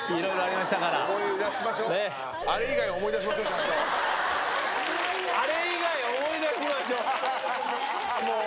それではあれ以外思い出しましょう。